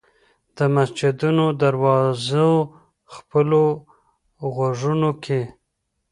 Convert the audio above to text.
د مسجدونو دروازو خپلو غوږونو کې